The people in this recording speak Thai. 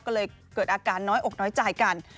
ก็เลยเกิดอาการน้อยอกน้อยใจกัน